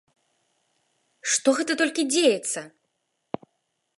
Што гэта толькі дзеецца!